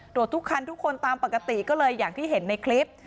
ทุกคันทุกคนตามปกติก็เลยอย่างที่เห็นในคลิป